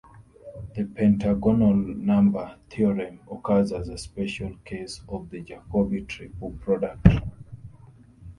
The pentagonal number theorem occurs as a special case of the Jacobi triple product.